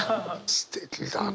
すてきだね。